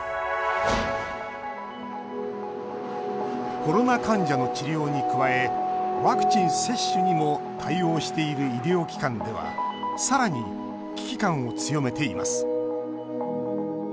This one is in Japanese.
コロナ患者の治療に加えワクチン接種にも対応している医療機関ではさらに危機感を強めています。